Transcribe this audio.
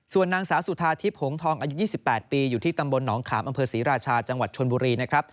ส่วนนางสาวสุธาทิพย์หงทองอายุ๒๘ปีอยู่ที่ตำบลหนองขามอำเภอศรีราชาจังหวัดชนบุรีนะครับ